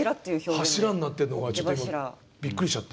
柱になってるのがちょっと今びっくりしちゃって。